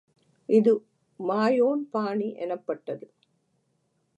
இது மாயோன் பாணி எனப்பட்டது.